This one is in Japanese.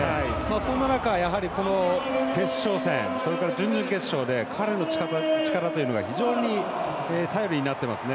そんな中、やはり、の決勝戦準々決勝で彼の力というのが非常に頼りになっていますね。